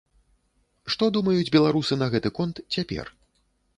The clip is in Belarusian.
Што думаюць беларусы на гэты конт цяпер?